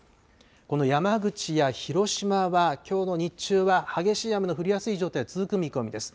この山口や広島はきょうの日中は激しい雨の降りやすい状態続く見込みです。